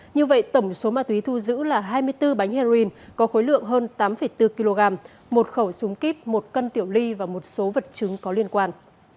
như vậy tổng số ma túy thu giữ là hai mươi bốn bánh heroin có khối lượng hơn tám bốn kg một khẩu súng kíp một cân tiểu ly và một số vật chứng có liên quan